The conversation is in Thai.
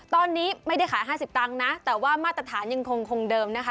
ตอนนี้ไม่ได้ขาย๕๐ตังค์นะแต่ว่ามาตรฐานยังคงเดิมนะคะ